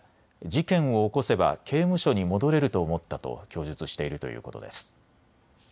事件を起こせば刑務所に戻れると思ったと供述しているということです。